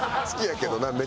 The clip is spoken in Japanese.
好きやけどな。